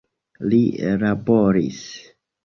Li laboris.